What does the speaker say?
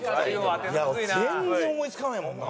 全然思いつかないもんな。